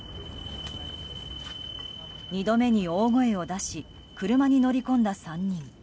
２度目に大声を出し車に乗り込んだ３人。